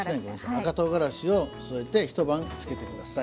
赤とうがらしを添えて一晩つけてください。